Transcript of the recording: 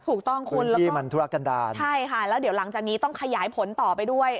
ถูกต้องคุณใช่ค่ะแล้วเดี๋ยวหลังจากนี้ต้องขยายผลต่อไปด้วย